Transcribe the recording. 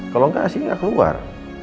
kalau enggak asyik gak keluar